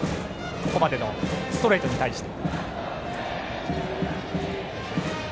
ここまでのストレートに対して。